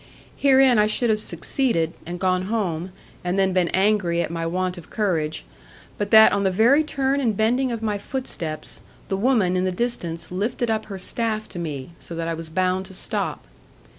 Herein I should have succeeded, and gone home, and then been angry at my want of courage, but that on the very turn and bending of my footsteps, the woman in the distance lifted up her staff to me, so that I was bound to stop.